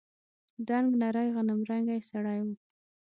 دنګ نرى غنمرنگى سړى و.